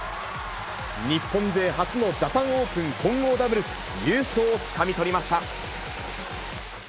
日本勢初のジャパンオープン混合ダブルス優勝をつかみ取りました。